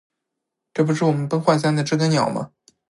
这不是我们崩坏三的知更鸟吗